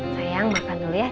sayang makan dulu ya